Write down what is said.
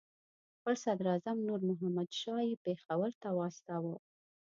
خپل صدراعظم نور محمد شاه یې پېښور ته واستاوه.